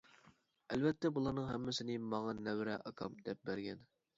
ئەلۋەتتە بۇلارنىڭ ھەممىسىنى ماڭا نەۋرە ئاكام دەپ بەرگەن.